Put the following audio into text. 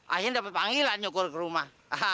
akhirnya dapat panggilan nyukur ke rumah